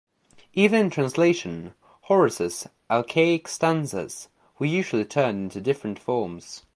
Even in translation Horace's Alcaic stanzas were usually turned into different forms.